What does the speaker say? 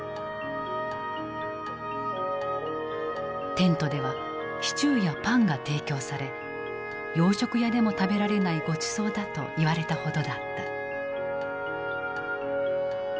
テントではシチューやパンが提供され「洋食屋でも食べられないごちそうだ」と言われたほどだった。